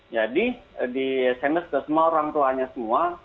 jadi di sms ke semua orang tuanya semua